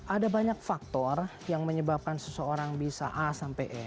ada banyak faktor yang menyebabkan seseorang bisa a sampai e